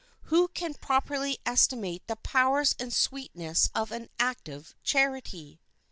Who can properly estimate the powers and sweetness of an active charity?